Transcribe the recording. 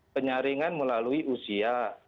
penyaringan melalui usia